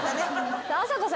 あさこさん